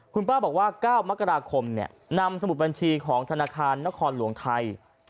คุณป้าบอกว่า๙มกราคมนำสมุดบัญชีของธนาคารนครหลวงไทย